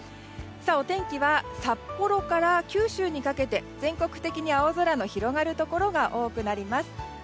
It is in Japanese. お天気は札幌から九州にかけて全国的に青空が広がるところが多くなります。